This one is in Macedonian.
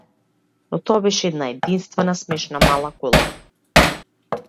Но тоа беше една единствена, смешна мала кола.